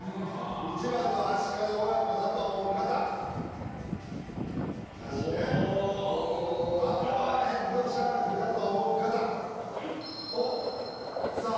１番のアシカの親子だと思う方なしねおおハンマーヘッドシャークだと思う方はいおっさあ